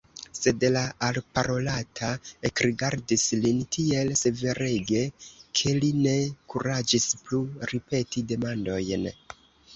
Sed la alparolata ekrigardis lin tiel severege, ke li ne kuraĝis plu ripeti demandojn.